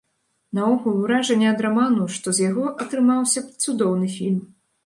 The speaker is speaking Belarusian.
Наогул, уражанне ад раману, што з яго атрымаўся б цудоўны фільм.